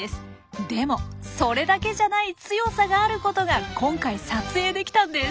でもそれだけじゃない強さがあることが今回撮影できたんです。